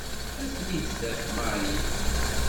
Ad ten-id-taf Mary.